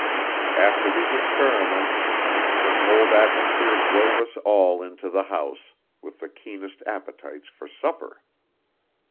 After these experiments, the cold atmosphere drove us all into the house, with the keenest appetites for supper.